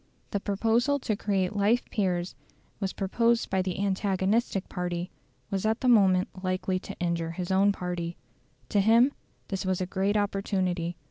The proposal to create life peers was proposed by the antagonistic party was at the moment likely to injure his own party. To him this was a great opportunity.